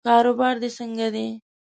کاروبار دې څنګه دی؟